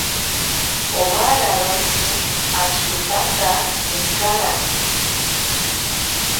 Owararontsi ashitaka inkaranke.